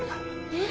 えっ。